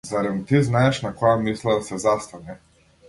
Зарем ти знаеш на која мисла да се застане!